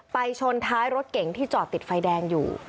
ชนท้ายรถเก่งที่จอดติดไฟแดงอยู่